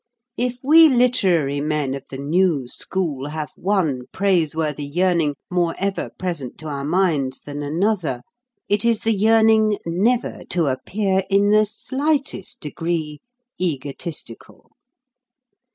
If we literary men of the new school have one praiseworthy yearning more ever present to our minds than another it is the yearning never to appear in the slightest degree egotistical.